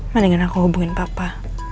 mendingan aku hubungin papa